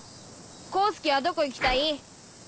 功介はどこ行きたい？